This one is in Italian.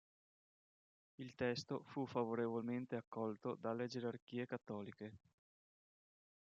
Il testo fu favorevolmente accolto dalle gerarchie cattoliche.